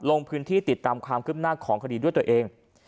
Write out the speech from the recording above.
ลงพื้นที่ติดตามความคืบหน้าของคดีด้วยตัวเอง